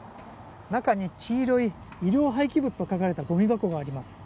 中に黄色い医療廃棄物と書かれたゴミ箱があります。